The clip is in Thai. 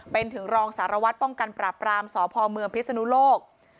เป็นถึงรองสารวัตรป้องกันปราบรามสพเมืองพิศนุโลก